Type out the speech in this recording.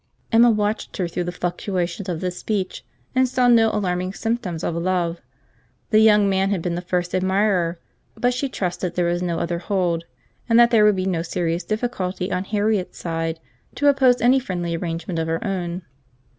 Emma watched her through the fluctuations of this speech, and saw no alarming symptoms of love. The young man had been the first admirer, but she trusted there was no other hold, and that there would be no serious difficulty, on Harriet's side, to oppose any friendly arrangement of her own.